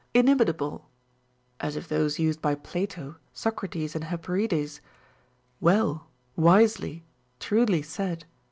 Inimitable ! (as if those used by Plato, Socrates, and Hyperides, ΛΥβΙΙ ! Wisely ! Truly said